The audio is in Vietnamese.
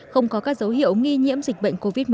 không có các dấu hiệu nghi nhiễm dịch bệnh covid một mươi chín